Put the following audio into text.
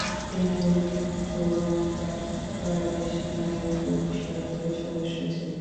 তিনি অবিভক্ত বাংলার প্রাদেশিক আইন পরিষদের সদস্য ছিলেন।